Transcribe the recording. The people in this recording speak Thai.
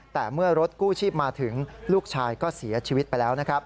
แต่เมื่อรถกู้ชีพมาถึงลูกชายก็เสียชีวิตไปแล้วนะครับ